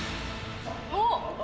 おっ！